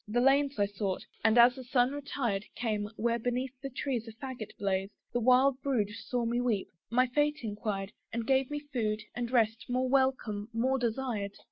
The lanes I sought, and as the sun retired, Came, where beneath the trees a faggot blazed; The wild brood saw me weep, my fate enquired, And gave me food, and rest, more welcome, more desired.